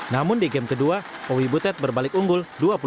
namun di game kedua owi butet berbalik unggul dua puluh satu